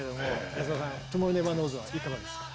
安田さん「トゥモロー・ネバー・ノウズ」はいかがですか？